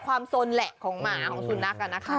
สนแหละของหมาของสุนัขนะคะ